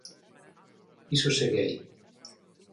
Iso segue aí.